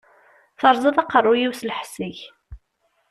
Teṛṛẓiḍ-d aqeṛṛu-yiw s lḥess-ik!